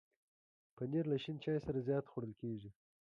پنېر له شین چای سره زیات خوړل کېږي.